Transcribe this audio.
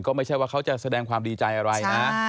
ก็ไม่ใช่ว่าเขาจะแสดงความดีใจอะไรนะ